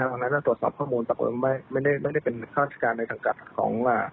หลังจากนั้นก็ตรวจสอบข้อมูลปรากฏว่าไม่ได้เป็นข้าราชการในสังกัดของ